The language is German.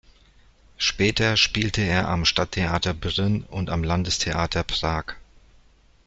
Später spielte er am Stadttheater Brünn und am Landestheater Prag.